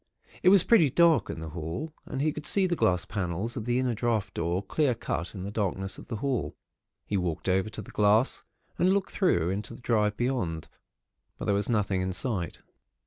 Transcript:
It was pretty dark in the hall, and he could see the glass panels of the inner draught door, clear cut in the darkness of the hall. He walked over to the glass, and looked through into the drive beyond; but there was nothing in sight.